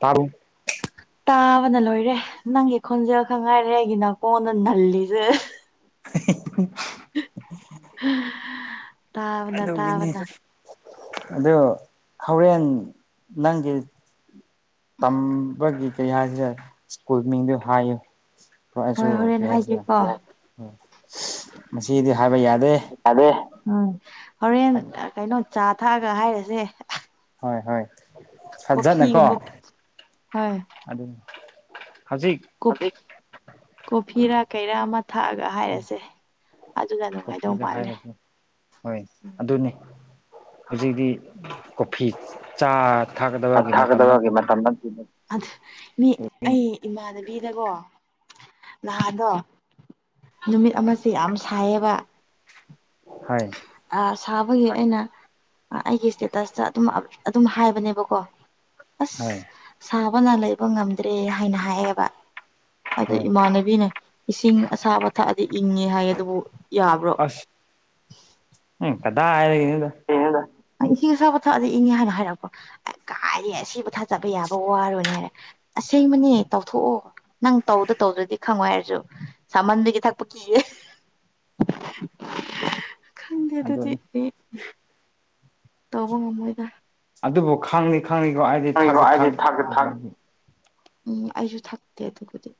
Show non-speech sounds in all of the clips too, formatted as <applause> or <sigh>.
ꯇꯔꯨꯛ ꯆꯥꯕꯅ ꯂꯣꯏꯔꯦ ꯅꯪꯒꯤ ꯈꯣꯟꯖꯦꯜ ꯈ ꯉꯥꯏꯔꯦ ꯑꯩꯒꯤ ꯅꯥ ꯀꯣꯟꯗ ꯅꯜꯂꯤꯁꯦ <unintelligible> ꯇꯥꯥꯎꯅ ꯇꯥꯕꯅ ꯑ ꯍꯣꯔꯦꯟ ꯅꯪꯒꯤ ꯇꯝꯕꯒꯤ ꯀꯩ ꯍꯥꯏꯁꯤꯔꯦ ꯁ꯭ꯀꯨꯜ ꯃꯤꯡꯗ ꯍꯥꯏꯌꯨ ꯄꯥꯏꯁꯨ ꯍꯣꯏ ꯍꯣꯔꯦꯟ ꯄꯍꯁꯤꯗ ꯍꯥꯏꯒꯦꯀꯣ ꯁꯤꯗꯤ ꯍꯥꯏꯕ ꯌꯥꯗꯦ ꯍ ꯍꯣꯔꯦꯟ ꯀꯩꯅꯣ ꯆꯥ ꯊꯛꯑꯒ ꯍꯥꯏꯔꯁꯦ ꯍꯣꯏ ꯍꯣꯏ ꯐꯠꯖꯠꯅꯀꯣ ꯀꯣꯐꯤꯒꯨꯝꯕ ꯑꯗꯨ ꯍꯧꯖꯤꯛ ꯣ ꯀꯣꯐꯤꯔꯥ ꯀꯩꯔꯥ ꯑꯃ ꯊꯥꯛꯑꯒ ꯍꯥꯏꯔꯁꯦ ꯑꯗꯨꯅ ꯅꯨꯡꯉꯥꯏꯗꯧ ꯀꯒ ꯃꯥꯜꯂꯦ ꯍꯥꯏꯥꯏꯔꯒꯦ ꯍꯣꯏ ꯎꯝ ꯑꯗꯨꯅꯤ ꯍꯧꯖꯤꯛꯇꯤ ꯀꯣꯐꯤ ꯆꯥ ꯊꯥꯛꯀꯗꯕꯒꯤ ꯃꯇꯝ ꯅꯠꯇꯦꯕꯀꯣ ꯑꯩ ꯏꯃꯥꯕꯤ ꯊꯀꯣ ꯅꯍꯥꯗꯣ ꯅꯨꯃꯤꯠ ꯑꯃꯁꯦ ꯌꯥꯝ ꯁꯥꯏꯌꯦꯕ ꯍꯥꯏ ꯁꯥꯕꯒꯤ ꯑꯩꯅ ꯑꯩꯒꯤ ꯏꯁꯇꯦꯇꯁꯇ ꯑꯗꯨꯝ ꯑꯗꯨꯝ ꯍꯥꯏꯕꯅꯦꯕꯀꯣ ꯑꯁ ꯍꯣꯏ ꯁꯥꯕꯅ ꯂꯩꯕ ꯉꯝꯗ꯭ꯔꯦ ꯍꯥꯏꯅ ꯍꯥꯏꯑꯌꯦꯕ ꯑꯗꯨ ꯍꯣꯏ ꯏꯃꯥꯟꯅꯕꯤꯅꯦ ꯏꯁꯤꯡ ꯑꯁꯥ ꯑꯊꯥ ꯗꯤ ꯏꯪꯉꯦ ꯍꯥꯏꯌꯦꯦ ꯑꯗꯨꯕꯨ ꯌꯥꯕ꯭ꯔꯣ ꯑꯁ ꯎꯝ ꯀꯗꯥ ꯏꯁꯤꯡ ꯑꯁꯥꯕ ꯊꯛꯑꯗꯤ ꯏꯪꯉꯦ ꯍꯥꯏꯅ ꯍꯥꯏꯔꯛꯄꯣ ꯑꯦ ꯀꯥꯏꯔꯤ ꯁꯤꯕꯨ ꯊꯥ ꯆꯠꯄ ꯌꯥꯕ ꯋꯥꯔꯣꯏꯅꯦ ꯍꯥꯏꯔꯦ ꯑꯁꯦꯡꯕꯅꯦ ꯇꯧꯊꯣꯛꯑꯣ ꯅꯪ ꯇꯧꯗ ꯇꯧꯗ꯭ꯔꯗꯤ ꯈꯪꯉꯣꯏ ꯍꯥꯏꯔꯁꯨ ꯁꯃꯟꯗꯒꯤ ꯊꯛꯄ ꯀꯤꯌꯦꯦ <unintelligible> ꯈꯪꯗꯦ ꯑꯗꯨꯗꯤ ꯑꯗꯨꯅꯤ ꯑꯩ ꯇꯧꯕ ꯉꯝꯃꯣꯏꯗ ꯑꯗꯨꯕꯨ ꯈꯪꯅꯤ ꯈꯪꯅꯤꯀꯣ ꯑꯩꯗꯤ ꯊꯥꯛꯀ ꯊꯥꯛ ꯎꯝ ꯑꯩꯁꯨ ꯊꯥꯛꯇ ꯑꯦꯇꯩ ꯈꯨꯗꯤ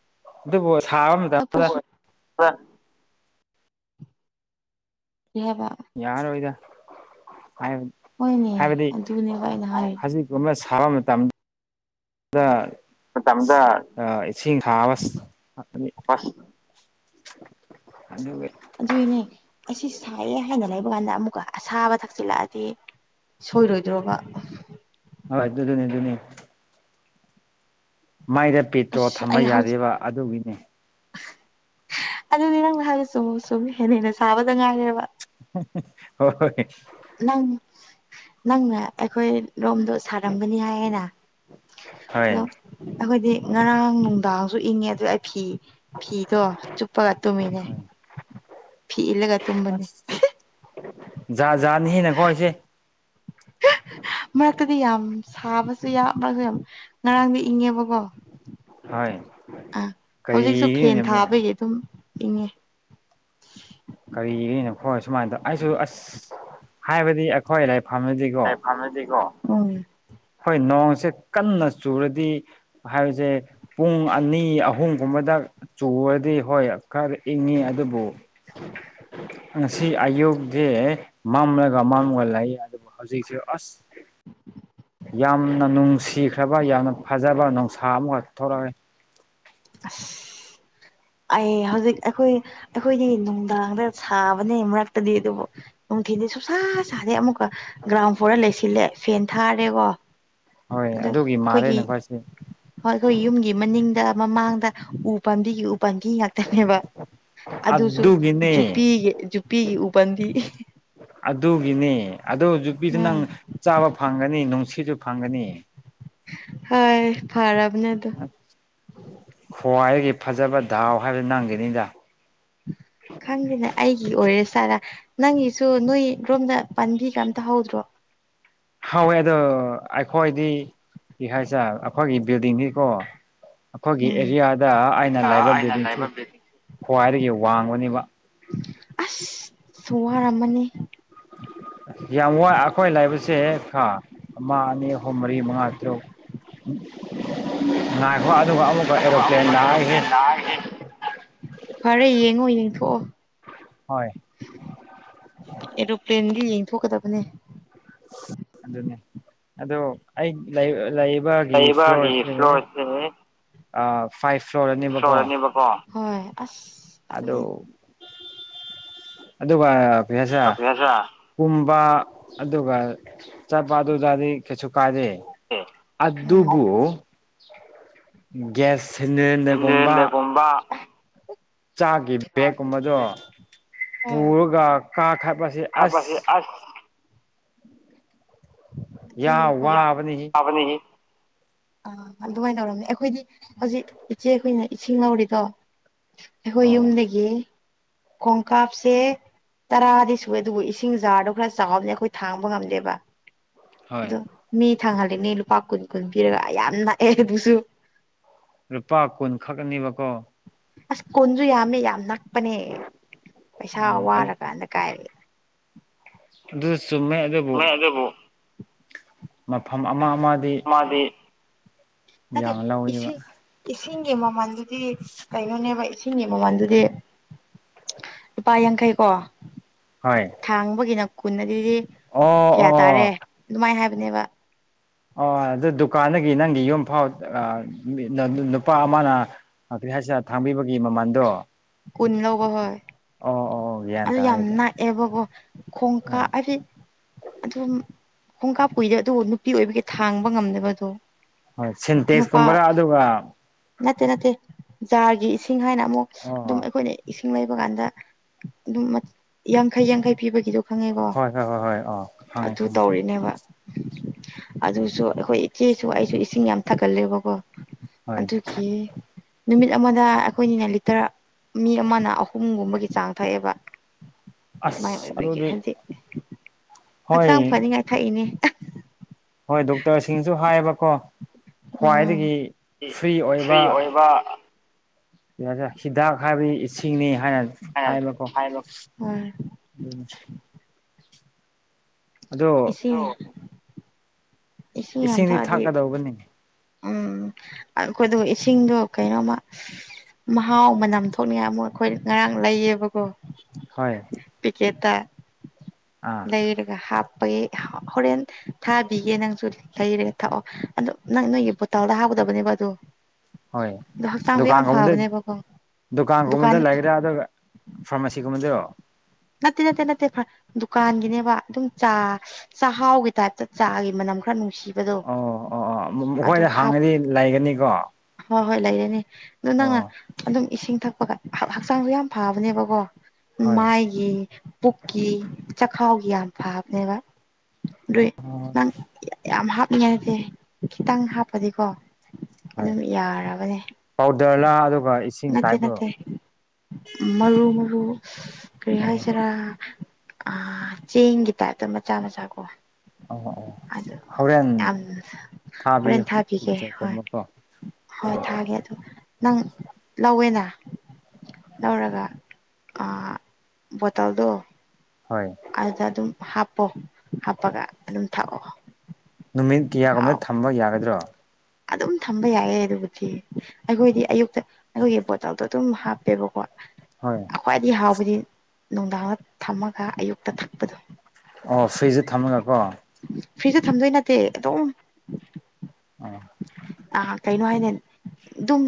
ꯑꯗꯨꯕꯨ ꯁꯥꯕ ꯃꯇꯝꯗ ꯑ ꯀꯕ ꯌꯥꯔꯣꯏꯗ ꯍꯣꯏꯅꯦ ꯍꯥꯏꯕꯗꯤ ꯑꯗꯨꯅꯦꯕ ꯑꯩꯅ ꯍꯥꯏꯔꯤ ꯍꯧꯖꯤꯛꯀꯕ ꯊꯥꯕ ꯃꯇꯝꯗ ꯃꯇꯝꯗ ꯏꯁꯤꯡ ꯊꯥꯕ ꯦ ꯐꯣꯀꯁ ꯑꯗ ꯑꯗꯨꯏꯅꯦ ꯑꯁꯤ ꯁꯥꯏꯌꯦ ꯍꯥꯏꯅ ꯂꯩꯕ ꯀꯥꯟꯗ ꯑꯃꯨꯛꯀ ꯑꯁꯥꯕ ꯊꯛꯆꯤꯜꯂꯛꯑꯗꯤ ꯁꯣꯏꯔꯣꯏꯗ꯭ꯔꯣꯕ ꯍ ꯑꯗꯨ ꯑꯗꯨꯅꯤ ꯑꯗꯨꯅꯤ ꯃꯥꯏꯗ ꯄꯤꯇ꯭ꯔꯣ ꯊꯝꯕ ꯌꯥꯗꯔꯤꯕ ꯑꯗꯨꯒꯤꯅꯤ ꯑꯗꯨꯗꯤ ꯅꯪ ꯅꯍꯥꯟꯒꯤ ꯁꯨꯝ ꯁꯨꯝ ꯍꯦꯟꯅ ꯍꯦꯟꯅ ꯁꯥꯕꯗ ꯉꯥꯏꯔꯦꯕ ꯍ ꯍꯣꯏ ꯅꯪ ꯅꯪ ꯑꯩꯈꯣꯏ ꯔꯣꯝꯗꯣ ꯁꯥꯔꯝꯒꯅꯤ ꯍꯥꯏꯌꯦꯅ ꯑꯗꯣ ꯍꯣꯏ ꯑꯩꯈꯣꯏꯗꯤ ꯉꯔꯥꯡ ꯅꯨꯡꯗꯥꯡ ꯏꯪꯉꯦ ꯑꯗꯨ ꯑꯩ ꯐꯤ ꯐꯤꯗꯣ ꯆꯨꯞꯄꯒ ꯇꯨꯝꯃꯤꯅꯦ ꯍꯣꯏ ꯐꯤ ꯏꯜꯂꯒ ꯇꯨꯝꯕꯅꯦ ꯖꯥ ꯖꯥꯅꯤꯅꯀꯣ ꯑꯩꯁꯦ ꯃꯔꯛꯇꯗꯤ ꯌꯥꯝ ꯁꯥꯕꯁꯨ ꯃꯔꯁꯨ ꯌꯥꯝ ꯉꯔꯥꯡꯗꯤ ꯏꯪꯉꯦꯕ ꯍ ꯑꯥ ꯍꯧꯖꯤꯛꯁꯨ ꯐꯦꯟ ꯊꯥꯕꯒꯤ ꯑꯗꯨꯝ ꯏꯪꯉꯦ ꯀꯔꯤꯒꯤꯅꯣ ꯈꯣꯏ ꯁꯨꯃꯥꯏꯅ ꯇꯧ ꯑꯩꯁꯨ ꯑꯁ ꯍꯥꯏꯕꯗꯤ ꯑꯩꯈꯣꯏ ꯂꯩꯐꯝꯗꯗꯤꯀꯣ ꯑꯩ ꯐꯥꯝꯅꯗꯦꯀꯣ ꯍꯣꯏ ꯅꯣꯡꯁꯦ ꯀꯟꯅ ꯆꯨꯔꯗꯤ ꯍꯥꯏꯕꯁꯦ ꯄꯨꯡ ꯑꯅꯤ ꯑꯍꯨꯝꯒꯨꯝꯕ ꯃꯗꯛ ꯆꯨꯔꯗꯤ ꯍꯣꯏ ꯈꯔ ꯏꯪꯉꯤ ꯑꯗꯨꯕꯨ ꯉꯁꯤ ꯑꯌꯨꯁꯦ ꯃꯝꯂꯒ ꯃꯝꯂꯒ ꯂꯩ ꯑꯗꯨꯕꯨ ꯍꯧꯖꯤꯛꯁꯦ ꯑꯁ ꯌꯥꯝꯅ ꯅꯨꯡꯁꯤꯈ꯭ꯔꯕ ꯌꯥꯝꯅ ꯐꯖꯕ ꯅꯨꯡꯁꯥ ꯑꯃꯈꯛ ꯊꯣꯛꯂꯛꯑꯦ <unintelligible> ꯑꯩ ꯍꯧꯖꯤꯛ ꯑꯩꯈꯣꯏ ꯑꯩꯈꯣꯏꯗꯤ ꯅꯨꯡꯗꯥꯡꯗ ꯁꯥꯕꯅꯦ ꯃꯔꯛꯇꯗꯤ ꯑꯗꯨꯕꯨ ꯅꯨꯡꯊꯤꯟꯜꯗꯤ ꯁꯨꯡꯁꯥ ꯁꯥꯗꯩ ꯑꯃꯨꯛꯀ ꯒ꯭ꯔꯥꯎꯟ ꯐ꯭ꯂꯣꯔ ꯂꯩꯁꯤꯜꯂꯦ ꯐꯦꯟ ꯊꯥꯔꯦꯀꯣ ꯑ ꯍꯣꯏ ꯑꯗꯨꯒꯤ ꯃꯥꯜꯂꯦ ꯑꯩꯈꯣꯏꯒꯤ ꯅꯈꯣꯏꯁꯦ ꯍꯣꯏ ꯑꯩꯈꯣꯏꯒꯤ ꯌꯨꯝꯒꯤ ꯃꯅꯤꯡ ꯃꯃꯥꯡꯗ ꯎ ꯄꯥꯝꯕꯤꯒꯤ ꯎ ꯄꯥꯝꯕꯤ ꯉꯥꯛꯇꯅꯦꯕ ꯑꯗꯨꯁꯨ ꯑꯗꯨꯒꯤꯅꯦ ꯄꯤꯒꯤ ꯖꯨꯄꯤꯒꯤ ꯎꯕꯟꯗꯤ ꯑꯗꯨꯒꯤꯅꯤ ꯑꯗꯨ ꯌꯨꯄꯤꯗꯨ ꯅꯪ ꯆꯥꯕ ꯐꯪꯒꯅꯤ ꯅꯨꯡꯁꯤꯠꯁꯨ ꯐꯪꯒꯅꯤ ꯍꯣꯏ ꯐꯔꯕꯅꯦꯗ ꯈ꯭ꯋꯥꯏꯒꯤ ꯐꯖꯕ ꯗꯥꯎ ꯍꯥꯏꯕ ꯅꯪꯈꯤꯅꯤꯗ ꯈꯪꯗꯦꯅꯦ ꯑꯩꯒꯤ ꯑꯣꯏꯔꯁꯤ ꯆꯔ ꯅꯪꯒꯤꯁꯨ ꯅꯣꯏ ꯔꯣꯝꯗ ꯄꯥꯕꯤꯒ ꯑꯝꯇ ꯍꯧꯗ꯭ꯔꯣ ꯍꯋꯦ ꯑꯗꯣ ꯑꯩꯈꯣꯏꯗꯤ ꯀ ꯍꯥꯏꯁꯦ ꯑꯩꯈꯣꯏꯒꯤ ꯕꯤꯜꯗꯤꯡꯒꯤꯀꯣ ꯑꯩꯈꯣꯏꯒꯤ ꯎꯝ ꯑꯦꯔꯤꯌꯥꯗ ꯑꯩꯅ ꯂꯩꯕ ꯕꯤꯜꯗꯤꯡꯁꯤ ꯂꯩꯕ ꯕꯤꯜꯗꯤꯡ ꯈ꯭ꯋꯥꯏꯗꯒꯤ ꯋꯥꯡꯕꯅꯦꯕ ꯑꯁ ꯁꯋꯥꯔꯃꯅꯤ <inaudible> ꯌꯥꯝ ꯋꯥꯏ ꯑꯩꯈꯣꯏ ꯂꯥꯏꯕꯁꯦ ꯑꯃ ꯑꯅꯤ ꯑꯍꯨꯝ ꯃꯔꯤ ꯃꯉꯥ ꯇꯔꯨꯛ ꯉꯥꯏꯈꯣ ꯑꯗꯨꯒ ꯑꯃꯨꯛꯀ ꯑꯗꯨꯒ ꯑꯦꯔꯣꯄ꯭ꯂꯦꯟ ꯑꯃꯨꯛꯀ ꯂꯥꯛꯑꯒ ꯑꯦꯔꯣꯄ꯭ꯂꯦꯟ ꯂꯥꯛꯑꯒꯦ ꯐꯔꯦ ꯌꯦꯡꯉꯣ ꯌꯦꯡꯊꯣꯛꯑꯣ ꯍꯣꯏ ꯑꯦꯔꯣꯄ꯭ꯂꯦꯟꯗꯤ ꯌꯦꯡꯊꯣꯛꯀꯗꯕꯅꯦ ꯑꯗꯨꯅꯦ ꯑꯗꯣ ꯑꯩ ꯂꯩ ꯒꯤ ꯂꯩꯕꯒꯤ ꯐ꯭ꯂꯣꯔꯁꯦ ꯐ꯭ꯂꯣꯔꯁꯦ ꯐꯥꯏꯚ ꯐ꯭ꯂꯣꯔꯅꯦꯕꯀꯣ ꯐ꯭ꯂꯣꯔ ꯑꯅꯦꯕꯀꯣ ꯍꯣꯏ ꯑꯁ ꯑꯗ ꯇꯜꯂꯦ ꯑꯗꯨ ꯁ ꯀꯨꯝꯕ ꯑꯗꯨꯒ ꯆꯠꯄ ꯑꯗꯨꯗꯗꯤ ꯀꯩꯁꯨ ꯀꯥꯔꯦ ꯑꯗꯨꯕꯨ ꯒ꯭ꯌꯥꯁ ꯊꯅ ꯄꯣꯕ ꯒꯨꯝꯕ ꯆꯥꯈꯤ ꯕꯦꯛꯀꯨꯝꯕꯗꯣ ꯍꯣꯏ ꯄꯨꯔꯒ ꯀꯥꯈꯥꯏꯄꯁꯦ ꯑꯁ ꯌꯥ ꯑꯁꯦꯡꯕꯀꯣ ꯋꯥꯕꯅꯤꯁꯤ ꯐꯕꯅꯤ <inaudible> ꯑꯥ ꯑꯗꯨꯃꯥꯏꯅ ꯇꯧꯔꯝꯅꯦ ꯑꯩꯈꯣꯏꯗꯤ ꯍꯧꯖꯤꯛ ꯏꯆꯦ ꯑꯩꯈꯣꯏꯅ ꯏꯁꯤꯡ ꯂꯧꯧꯔꯤꯗꯣ ꯑꯩꯈꯣꯏ ꯑꯣ ꯌꯨꯝꯗꯒꯤ ꯈꯣꯡꯀꯥꯞꯁꯦ ꯇꯔꯥꯗꯤ ꯁꯨꯑꯦ ꯑꯗꯨꯕꯨ ꯏꯁꯤꯡ ꯖꯥꯔꯗꯣ ꯈꯔ ꯆꯥꯎꯕꯅꯦ ꯑꯩꯈꯣꯏ ꯊꯥꯡꯕ ꯉꯝꯗꯦꯕ ꯑꯗꯣ ꯍꯣꯏ ꯃꯤ ꯊꯥꯡꯍꯜꯜꯂꯤꯅꯦ ꯂꯨꯄꯥ ꯀꯨꯟ ꯀꯨꯟ ꯄꯤꯔꯒꯌꯥꯝ ꯂꯨꯄꯥ ꯀꯨꯟ ꯈꯛꯅꯦꯕꯀꯣ ꯑꯁ ꯀꯨꯟꯁꯨ ꯌꯥꯝꯃꯦ ꯌꯥꯝ ꯅꯛꯄꯅꯦ ꯄꯩꯁꯥ ꯑꯣ ꯋꯥꯔꯀꯥꯟꯗ ꯀꯥꯏ ꯑꯗꯨꯗ ꯆꯨꯝꯃꯦ ꯑꯗꯨꯗꯕꯣ ꯃꯦ ꯑꯗꯨꯕꯨ ꯃꯐꯝ ꯑꯃ ꯑꯃꯗꯤ ꯃꯥꯗꯤꯦ ꯌꯥꯝ ꯂꯧꯋꯦꯕ ꯑꯦꯁꯦ ꯏꯁꯤꯡꯒꯤ ꯃꯃꯜꯗꯨꯗꯤ ꯀꯩꯅꯣꯅꯦꯕ ꯏꯁꯤꯡꯒꯤ ꯃꯃꯜꯗꯨꯗꯤ ꯂꯨꯄꯥ ꯌꯥꯡꯈꯩ ꯀꯣ ꯍꯣꯏ ꯊꯥꯡꯕꯒꯤꯅ ꯀꯨꯟ ꯑꯗꯨꯗꯤ ꯑꯣ ꯀꯌꯥ ꯑꯣ ꯑꯣ ꯇꯥꯔꯦ ꯑꯗꯨꯃꯥꯏꯅ ꯍꯥꯏꯕ ꯕ ꯑꯣ ꯑꯗꯨ ꯗꯨꯀꯥꯟꯗꯒꯤ ꯅꯪꯒꯤ ꯌꯨꯝ ꯐꯥꯎ ꯅꯨꯄꯥ ꯑꯃꯅ ꯑꯗꯨ ꯍꯥꯏꯁꯤꯅ ꯊꯥꯡꯕꯤꯕꯒꯤ ꯃꯃꯜꯗꯣ ꯀꯨꯟꯂ ꯀꯍꯣꯏ ꯑꯣ ꯑꯣ ꯑꯣ ꯒ꯭ꯌꯥꯟ ꯑꯗꯨ ꯌꯥꯝ ꯇꯥꯔꯦ ꯇꯥꯔꯦ ꯅꯥꯛꯑꯦꯕꯀꯣ ꯈꯣꯡꯀꯥꯞ ꯍꯣꯏ ꯍꯥꯏꯗꯤ ꯑꯗꯨꯝ ꯈꯣꯡꯀꯥꯞ ꯀꯨꯏꯗꯦ ꯑꯗꯨꯕꯨ ꯅꯨꯄꯤ ꯑꯣꯏꯕꯒꯤ ꯊꯥꯡꯕ ꯉꯝꯅꯕꯗꯣ ꯍꯣꯏ ꯁꯤꯟꯇꯦꯁꯀꯨꯝꯕ꯭ꯔꯥ ꯑꯗꯨꯒ ꯅꯠꯇꯦ ꯅꯠꯇꯦ ꯖꯥꯔꯒꯤ ꯏꯁꯤꯡ ꯍꯥꯏꯅ ꯑꯃꯨꯛ ꯑꯣ ꯑꯗꯨꯝ ꯑꯩꯈꯣꯏꯅꯁꯤꯡ ꯂꯩꯕ ꯀꯥꯟꯗ ꯑꯗꯨꯝ ꯌꯥꯡꯈꯩ ꯌꯥꯡꯈꯩ ꯄꯤꯕꯒꯤꯗ ꯈꯪꯉꯦꯀꯣ ꯍꯣꯏ ꯍꯣꯏ ꯍꯣꯏ ꯍꯣꯏ ꯑꯥ ꯈꯪꯉꯦ ꯑꯗꯨ ꯈꯪꯉꯦ ꯇꯧꯔꯤꯅꯦꯕ ꯑꯗꯨꯁꯨ ꯑꯩꯈꯣꯏ ꯏꯆꯦꯁꯨ ꯑꯩꯁꯨ ꯏꯁꯤꯡ ꯌꯥꯝ ꯊꯛꯒꯠꯂꯦꯕꯀꯣ ꯍꯣꯏ ꯑꯗꯨꯒꯤ ꯅꯨꯃꯤꯠ ꯑꯃꯗ ꯑꯩꯈꯣꯏꯅꯤꯅ ꯂꯤꯇꯔ ꯃꯤ ꯑꯃꯅ ꯑꯍꯨꯝꯒꯨꯝꯕꯒꯤ ꯆꯥꯡ ꯊꯛꯑꯦꯕ ꯃꯥꯏ ꯑꯁ ꯑꯣꯏꯕꯒꯤ ꯑꯗꯨꯗꯤ ꯍꯥꯏꯗꯤ ꯍꯣꯏ ꯍꯛꯆꯥꯡ ꯐꯅꯤꯡꯉꯥꯏ ꯊꯥꯛꯏꯅꯦ ꯍꯣꯏ ꯗꯣꯛꯇꯔꯁꯤꯡꯁꯨ ꯍꯥꯏꯌꯦꯕꯀꯣ ꯎꯝ ꯈ꯭ꯋꯥꯏꯗꯒꯤ ꯐ꯭ꯔꯤ ꯑꯣꯏꯕ ꯌꯦ ꯁꯤꯤꯗꯥꯥ ꯍꯥꯏꯕꯤ ꯏꯁꯤꯡꯅꯤ ꯍꯥꯏꯅ ꯍꯥꯏꯅ ꯍꯥꯏꯕꯀꯣ ꯍꯥꯏꯕ ꯍꯣꯏ ꯑꯗꯨꯅ ꯏꯁꯤꯡ ꯏꯁꯤꯡ ꯌꯥꯝ ꯏꯁꯤꯡꯗꯤ ꯊꯛꯑꯗꯤ ꯊꯥꯛꯀꯗꯧꯒꯅꯤꯉ ꯑꯩꯈꯣꯏꯗ ꯏꯁꯤꯡꯗꯣ ꯀꯩꯅꯣꯝꯃ ꯃꯍꯥꯎ ꯃꯅꯝ ꯊꯣꯛꯅꯤꯡꯉꯥꯏ ꯑꯃꯨꯛ ꯑꯩꯈꯣꯏ ꯉꯔꯥꯡ ꯂꯩꯌꯦꯕꯀꯣ ꯍꯣꯏ ꯆꯇ ꯑꯥ ꯂꯩꯔꯒ ꯍꯥꯞ ꯊꯄꯒꯤ ꯍꯣꯔꯦꯟ ꯊꯥꯕꯤꯒꯦ ꯅꯪꯁꯨ ꯂꯩꯔꯦ ꯊꯛꯑꯣ ꯑꯗ ꯅꯪ ꯅꯣꯏꯒꯤ ꯕꯣꯇꯜꯗ ꯍꯥ ꯇꯧꯗꯕꯅꯦꯕ ꯑꯗꯣ ꯍꯣꯏ ꯑꯣ ꯍꯛꯆꯥꯡꯁꯨ ꯌꯥꯝ ꯗꯨꯀꯥꯟꯒꯨꯝꯕꯗ ꯐꯕꯅꯦꯕꯀꯣ ꯗꯨꯀꯥꯟꯒꯨꯝꯕꯗ ꯗꯨꯀꯥꯟꯗ ꯂꯩꯒ꯭ꯔꯥ ꯑꯗꯨꯒ ꯐꯥꯔꯃꯥꯁꯤꯒꯨꯝꯕꯗꯔꯣ ꯅꯠꯇꯦ ꯅꯠꯇꯦ ꯅꯠꯇꯦꯔ ꯗꯨꯀꯥꯟꯒꯤꯅꯦꯕ ꯑꯗꯨꯝ ꯆꯥ ꯆꯥꯛꯍꯥꯎꯒꯤ ꯇꯥꯏꯞꯇ ꯆꯥꯒꯤ ꯃꯅꯝ ꯈꯔ ꯅꯨꯡꯁꯤ ꯅꯨꯡ ꯁꯤꯕꯗꯣ ꯑꯣ ꯑꯣ ꯑꯣ ꯑꯗꯨ ꯃꯈꯣꯏꯗ ꯍꯥꯞꯄ ꯍꯥꯡꯉꯗꯤ ꯂꯩꯒꯅꯤꯀꯣ ꯍꯣꯏ ꯍꯣꯏ ꯂꯩꯔꯅꯤ ꯑꯗꯨ ꯑꯣ ꯅꯪꯅ ꯑꯗꯨꯝ ꯏꯁꯤꯡ ꯊꯛꯄꯒ ꯍꯛꯆꯥꯡꯁꯨ ꯌꯥꯝ ꯐꯕꯅꯦꯕꯀꯣ ꯍꯣꯏ ꯃꯥꯏ ꯄꯨꯛꯀꯤ ꯆꯈꯥꯎꯒꯤ ꯌꯥꯝ ꯐꯕꯅꯦꯕ ꯑꯗꯨꯏ ꯅꯪ ꯌꯥꯝ ꯍꯥꯞꯅꯤꯡꯉꯥꯏ ꯅꯗꯤꯦ ꯈꯤꯇꯪ ꯍꯥꯞꯄꯗꯤꯀꯣ ꯍꯣꯏ ꯑꯗꯨꯝ ꯌꯥꯔꯕꯅꯦ ꯄꯥꯎꯗꯔꯂꯥ ꯑꯗꯨꯒ ꯏꯁꯤꯡ ꯅꯠꯇꯦ ꯇꯥꯏꯞꯔꯣ ꯅꯠꯇꯦ ꯃꯔꯨ ꯃꯔꯨ ꯀꯔꯤ ꯑꯣ ꯍꯥꯏꯁꯤꯔꯥ ꯆꯦꯡꯒꯤ ꯇꯥꯏꯞꯇ ꯃꯆꯥ ꯃꯆꯥ ꯀꯣ ꯑꯣ ꯑꯣ ꯑꯗ ꯍꯣꯔꯦꯟ ꯌꯥꯝ ꯍꯣꯔꯦꯟ ꯊꯥꯕꯤꯌꯨ ꯊꯥꯕꯤꯒꯦ ꯍꯣꯏ ꯄꯤꯛꯆꯔꯒꯨꯝꯕꯀꯣ ꯍꯣꯏ ꯊꯥꯒꯦ ꯑꯗꯣ ꯅꯪ ꯂꯧꯋꯦꯅ ꯂꯧꯔꯒ ꯑ ꯠꯇꯥꯎꯗꯣ ꯍꯣꯏ ꯑꯗꯨꯗ ꯑꯗꯨꯝ ꯍꯥꯞꯄꯣ ꯍꯥꯞꯄꯒ ꯑꯗꯨꯝ ꯊꯥꯛꯑꯣ ꯅꯨꯃꯤꯠ ꯀꯌꯥꯒꯨꯝꯅ ꯊꯝꯕ ꯌꯥꯒꯗ꯭ꯔꯣ ꯑꯗꯨꯝ ꯊꯝꯕ ꯌꯥꯏꯏꯌꯦ ꯑꯗꯨꯕꯨꯗꯤ ꯑꯩꯈꯣꯏꯗꯤ ꯑꯌꯨꯛꯇ ꯑꯩꯈꯣꯏꯒꯤ ꯕꯣꯇꯜꯗꯣ ꯑꯗꯨꯝ ꯍꯥꯞꯄꯦꯕꯀꯣ ꯍꯣꯏ ꯈ꯭ꯋꯥꯏꯗꯤ ꯍꯥꯎꯕꯗꯤ ꯅꯨꯡꯗꯥꯡꯗ ꯊꯝꯃꯒ ꯑꯌꯨꯛꯇ ꯊꯛꯄꯗꯣ ꯑꯣ ꯐ꯭ꯔꯤꯖꯇ ꯊꯝꯃꯒꯀꯣ ꯐ꯭ꯔꯤꯖꯇ ꯊꯝꯗꯣꯏ ꯅꯠꯇꯦ ꯑꯗꯨꯝ ꯅꯍꯥꯛ ꯀꯩꯅꯣ ꯍꯥꯏꯅꯦ ꯎ ꯑꯗꯨꯝ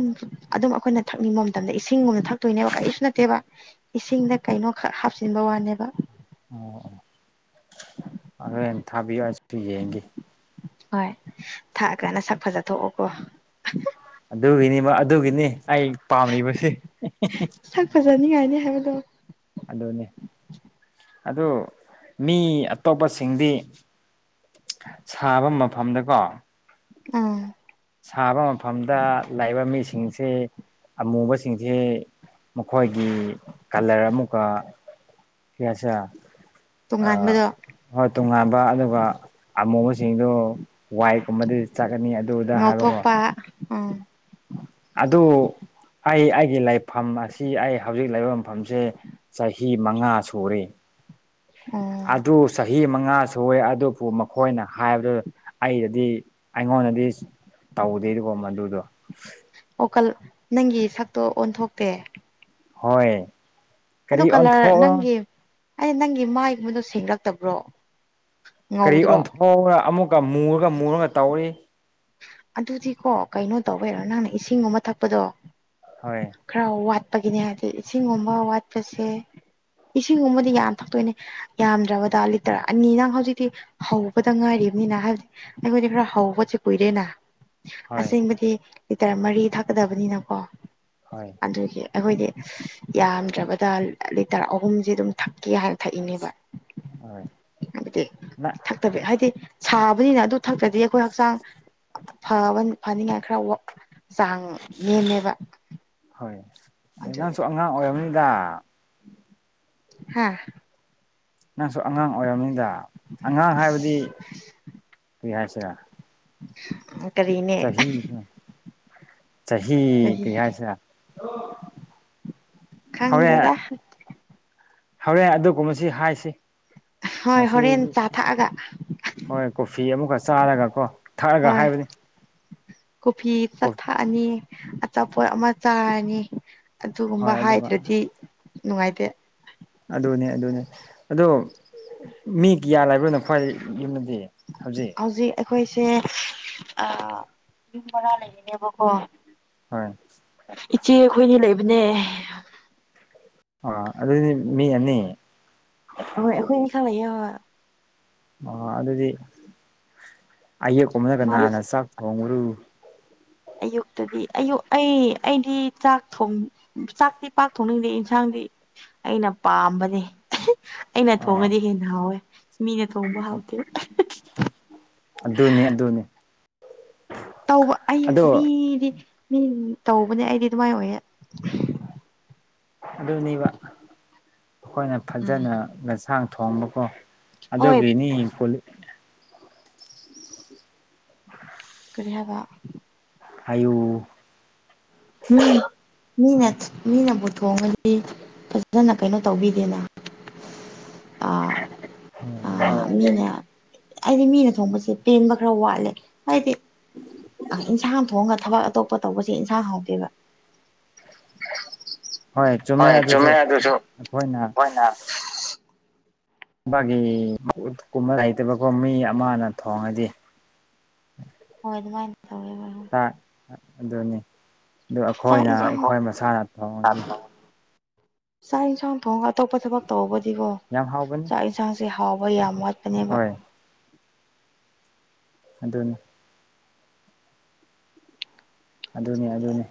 ꯑꯗꯨꯝ ꯑꯩꯈꯣꯏꯅ ꯊꯛꯅꯤꯡꯕ ꯃꯇꯝꯗ ꯏꯁꯤꯡꯒꯨꯝꯅ ꯊꯛꯇꯣꯏꯅꯦꯕ ꯀꯔꯤꯁꯨ ꯅꯠꯇꯦꯕ ꯏꯁꯤꯡꯗ ꯀꯩꯅꯣ ꯍꯥꯞꯆꯤꯟꯕ ꯋꯥꯅꯦꯕ ꯑꯣ ꯑꯣ ꯑꯗꯨꯣ ꯍꯅ ꯊꯥꯕꯤꯌꯨ ꯑꯩꯁꯨ ꯌꯦꯡꯒꯦ ꯍꯣꯏ ꯊꯥꯛꯑꯒꯅ ꯁꯛ ꯐꯖ ꯊꯣꯛꯑꯣꯀꯣ ꯑꯗꯨꯒꯤꯅꯤ ꯑꯗꯨꯒꯤꯅꯤ ꯑꯩ ꯄꯥꯝꯂꯤꯕꯕꯁꯤ ꯁꯛ ꯐꯖꯅꯤꯡꯉꯥꯏꯅꯤ ꯍꯥꯏꯕꯗꯣ ꯑꯗꯨꯅꯤ ꯑꯗꯨ ꯃꯤ ꯑꯇꯣꯞꯄꯁꯤꯡꯗꯤ ꯁꯥꯕ ꯃꯐꯝꯗꯀꯣ ꯎꯝ ꯁꯥꯕ ꯃꯐꯝꯗ ꯂꯩꯥꯛꯕ ꯃꯤꯁꯤꯡꯁꯤ ꯑꯃꯨꯕꯁꯤꯡꯁꯦ ꯃꯈꯣꯏꯒꯤ ꯀꯂꯔ ꯑꯃꯨꯛꯀ ꯁꯤꯌꯥꯁꯤ ꯑ ꯇꯣꯉꯥꯟꯕꯗꯣ ꯍꯣꯏ ꯇꯣꯉꯥꯟꯕ ꯑꯗꯨꯒ ꯑꯃꯨꯕꯁꯤꯡꯗꯣ ꯋꯥꯏꯀꯨꯝꯕꯗ ꯆꯠꯀꯅꯤ ꯑꯗꯨꯗ ꯍꯥꯏꯕꯀꯣ ꯑꯥ ꯑꯗꯨ ꯑꯩ ꯑꯩꯒꯤ ꯂꯩꯐꯝ ꯑꯁꯤ ꯑꯩ ꯍꯧꯖꯤꯛ ꯂꯩꯐꯝ ꯃꯐꯝꯁꯦ ꯆꯍꯤ ꯃꯉꯥ ꯁꯔꯤ ꯎꯝ ꯑꯗꯨ ꯆꯍꯤ ꯃ ꯉꯥ ꯁꯨꯏ ꯑꯗꯨꯕꯨ ꯃꯈꯣꯏꯅ ꯍꯥꯏꯕꯗꯨ ꯑꯩꯗꯗꯤ ꯑꯩꯉꯣꯟꯗꯗꯤ ꯇꯧꯗꯦꯗꯤꯀꯣ ꯃꯗꯨꯗꯣ ꯑꯣ ꯀꯜ ꯅꯪꯒꯤ ꯁꯛꯇꯣ ꯑꯣꯟꯊꯣꯛꯇꯦ ꯍꯣꯏ ꯀꯔꯤ ꯑꯣꯟꯊꯣꯛꯑꯣ ꯑ ꯅꯪꯒꯤ ꯃꯥꯏꯒꯨꯝꯕꯗꯣ ꯁꯦꯡꯡꯂꯛꯇꯕ꯭ꯔꯣ ꯀꯔꯤ ꯑꯣꯟꯊꯣꯛꯔ ꯑꯃꯨꯛꯀ ꯃꯨꯔꯒ ꯃꯨꯔꯒ ꯇꯧꯔꯤ ꯑꯗꯨꯗꯤꯀꯣ ꯀꯩꯅꯣ ꯇꯧꯕꯦꯔꯣ ꯅꯪꯅ ꯏꯁꯤꯡ ꯑꯃ ꯊꯛꯄꯗꯣ ꯍꯣꯏ ꯈꯔ ꯋꯥꯠ ꯋꯥꯠꯄꯒꯤꯅꯦ ꯍꯥꯏꯗꯤ ꯏꯁꯤꯡꯒꯨꯝꯕ ꯋꯥꯠꯄꯁꯦ ꯏꯁꯤꯡꯒꯨꯝꯕꯗꯤ ꯌꯥꯝ ꯊꯛꯇꯣꯏꯅꯦ ꯌꯥꯝꯗ꯭ꯔꯕꯗ ꯂꯤꯇꯔ ꯑꯅꯤ ꯅꯪ ꯍꯧꯖꯤꯛꯇꯤ ꯍꯧꯕꯗ ꯉꯥꯏꯔꯤ ꯅꯤꯅ ꯍꯥꯏꯕꯗꯤ ꯑꯩꯈꯣꯏꯗꯤ ꯈꯔ ꯍꯧꯕꯠꯁꯦ ꯀꯨꯏꯔꯦꯅ ꯍꯣꯏ ꯑꯁꯦꯡꯕꯗꯤ ꯂꯤꯇꯔ ꯃꯔꯤ ꯊꯛꯀꯗꯕꯅꯤꯅꯀꯣ ꯍꯣꯏ ꯑꯗꯨꯒꯤ ꯑꯩꯈꯣꯏꯗꯤ ꯌꯥꯝꯗ꯭ꯔꯕꯗ ꯂꯤꯇꯔ ꯑꯍꯨꯝꯁꯦ ꯑꯗꯨꯝ ꯊꯛꯀꯦ ꯍꯥꯏꯥꯟꯅ ꯊꯛꯏꯅꯦꯕ ꯍꯣꯏ ꯍꯥꯏꯗꯤ ꯊꯛꯇꯕꯤ ꯍꯥꯏꯗꯤ ꯁꯥꯕꯅꯤꯅ ꯑꯗꯨ ꯊꯛꯇ꯭ꯔꯗꯤ ꯑꯩꯈꯣꯏ ꯍꯛꯆꯥꯡ ꯐꯕ ꯐꯅꯤꯉꯥꯏ ꯈꯔ ꯆ ꯃꯃꯦꯕ ꯍꯣꯏ ꯑꯗꯩ ꯅꯪꯁꯨ ꯑꯉꯥꯡ ꯑꯣꯏꯔꯝꯅꯤꯗ ꯍꯥꯥ ꯅꯪꯁꯨ ꯑꯉꯥꯡ ꯑꯣꯏꯔꯕꯝꯅꯤꯗ ꯑꯉꯥꯡ ꯍꯥꯏꯕꯗꯤ ꯀꯔꯤ ꯍꯥꯏꯁꯦꯔ ꯀꯔꯤꯅꯦ ꯆꯍꯤ ꯆꯍꯤ ꯀꯔꯤ ꯍꯥꯏꯥꯏꯁꯤꯦ ꯈꯪꯗꯦꯗ ꯍꯧꯔꯦꯟ ꯑꯗꯨꯒꯨꯝ ꯃꯁꯤ ꯍꯥꯏꯁꯤ ꯍꯣꯏ ꯍꯣꯔꯦꯟ ꯃꯁꯤꯗꯤ ꯆꯥ ꯊꯛꯑꯒ ꯍꯣꯏ ꯀꯣꯐꯤ ꯑꯃꯨꯛꯀ ꯆꯥꯔꯒ ꯀꯣ ꯊꯛꯑꯒ ꯍꯣꯏ ꯍꯥꯏꯕꯅꯤ ꯀꯣꯐꯤ ꯆꯥꯊꯛꯑꯅꯤ ꯑꯆꯥꯄꯣꯠ ꯑꯃ ꯆꯥꯔꯅꯤ ꯑꯗꯨꯒꯨꯝꯕ ꯍꯣꯏ ꯑꯗꯨꯒ ꯍꯥꯏꯗ꯭ꯔꯗꯤ ꯅꯨꯡꯉꯥꯏꯇꯦ ꯑꯗꯨꯅꯦ ꯑꯗꯨꯅꯦ ꯑꯗꯣ ꯃꯤ ꯀꯌꯥ ꯂꯩꯥꯏꯕ꯭ꯔꯣꯅꯣ ꯈ꯭ꯋꯥꯏ ꯌꯨꯝꯗ ꯍꯧꯖꯤꯛ ꯑꯩꯈꯣꯏꯁꯦ ꯌꯨꯝ ꯃꯔꯥ ꯂꯩꯔꯤꯅꯦꯕꯀꯣ ꯍꯣꯏ ꯏ ꯆꯦ ꯑꯩꯈꯣꯏꯅꯤ ꯂꯩꯕꯅꯦ ꯑ ꯑꯗꯨꯗꯤ ꯃꯤ ꯑꯅꯤ ꯍꯣꯏ ꯑꯩꯈꯣꯏ ꯏ ꯈꯌꯦ ꯑ ꯑꯣ ꯑꯗꯨꯗꯤ ꯑꯌꯦꯛꯀꯨꯝꯕꯗꯒꯅꯥꯟꯅ ꯆꯥꯛ ꯊꯣꯡꯉ꯭ꯔꯨ ꯑꯌꯨꯛꯇꯗꯤꯨ ꯑꯩ ꯑꯩꯗꯤ ꯆꯥꯛꯣꯡ ꯆꯥꯛꯇꯤ ꯄꯥꯛ ꯊꯣꯡꯅꯤꯡꯗꯦ ꯏꯟꯁꯥꯡ ꯍꯥꯏꯗꯤ ꯑꯩꯅ ꯄꯥꯝꯕꯅꯦ ꯑꯩꯅ ꯑꯣ ꯊꯣꯡꯉꯗꯤ ꯍꯦꯟꯅ ꯍꯥꯎꯋꯦ ꯃꯤꯅ ꯊꯣꯡꯕ ꯍꯥꯎꯇꯦ ꯑꯗꯨꯅꯤ ꯑꯗꯨꯅꯦ ꯇꯧꯕ ꯑꯩ ꯑꯗꯣ ꯃꯤꯗꯤ ꯃꯤ ꯇꯧꯕꯅꯦ ꯑꯩꯗꯤ ꯑꯗꯨꯃꯥꯏꯅ ꯑꯣꯏꯌꯦ ꯑꯗꯨꯅꯦꯕ ꯑꯩꯈꯣꯏꯅ ꯎꯝ ꯐꯖꯅ ꯌꯦꯟꯁꯥꯡ ꯊꯣꯡꯕꯀꯣ ꯍꯣꯏ ꯑꯗꯒꯅꯤ ꯀꯣꯂꯤ ꯀꯔꯤ ꯍꯥꯏꯕ ꯑꯌꯨ ꯎꯝ ꯃꯤꯅ ꯃꯤꯅꯕꯨ ꯊꯣꯡꯉꯗꯤ ꯐꯖꯅ ꯀꯩꯅꯣ ꯇꯧꯕꯤꯗꯦꯅ ꯑꯥ ꯍ ꯌꯦꯣ ꯍꯥꯏꯗꯤ ꯃꯤꯅ ꯊꯣꯡꯕꯁꯦ ꯄꯦꯟꯕ ꯈꯔ ꯋꯥꯠꯂꯦ ꯍꯥꯏꯗꯤ ꯏꯟꯁꯥꯡ ꯊꯣꯡꯉꯒ ꯊꯕꯛ ꯑꯇꯣꯞꯄ ꯇꯧꯕꯁꯦ ꯏꯟꯁꯥꯡ ꯍꯥꯎꯗꯦꯕ ꯍꯣꯏ ꯆꯨꯝꯃꯦ ꯌꯥ ꯑꯗꯨꯁꯨ ꯑꯩꯈꯣꯏꯅ ꯍ ꯕꯥꯒꯤ ꯀꯨꯝꯕ ꯍꯩꯇꯕꯀꯣ ꯃꯤ ꯑꯃꯅ ꯊꯣꯡꯉꯗꯤ ꯍꯣꯏ ꯑꯗꯨꯃꯥꯏꯅ ꯇꯧꯋꯦꯕ ꯑꯗꯨꯅꯤ ꯑꯗꯨ ꯆꯥꯛ ꯑꯩꯈꯣꯏꯅ ꯏꯟꯁꯥꯡ ꯑꯩꯈꯣꯏ ꯃꯁꯥꯅ ꯊꯣꯡꯉꯈꯤ ꯆꯥꯛ ꯌꯦꯟꯁꯥꯡ ꯊꯣꯡꯒ ꯑꯇꯣꯞꯄ ꯊꯕꯛ ꯇꯧꯕꯗꯤꯀꯣ ꯌꯥꯝ ꯍꯥꯎꯕꯅꯤ ꯆꯥꯛ ꯌꯦꯟꯁꯥꯡꯁꯦ ꯍꯥꯎꯕ ꯌꯥꯝ ꯋꯥꯠ ꯀꯩꯅꯕ ꯍꯣꯏ ꯑꯗꯅꯤ ꯑꯗꯨꯅꯦ ꯑꯗꯨꯒꯤ ꯑꯗꯨꯅꯤ